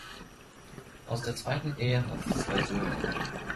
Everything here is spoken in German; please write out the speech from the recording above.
Aus der zweiten Ehe hat sie zwei Söhne.